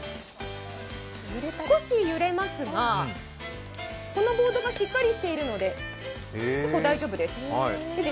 少し揺れますが、このボードがしっかりしているので結構大丈夫です。